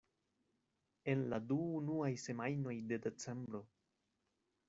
En la du unuaj semajnoj de Decembro.